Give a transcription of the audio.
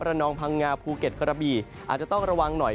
นองพังงาภูเก็ตกระบี่อาจจะต้องระวังหน่อย